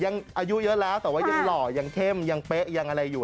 อายุเยอะแล้วแต่ว่ายังหล่อยังเข้มยังเป๊ะยังอะไรอยู่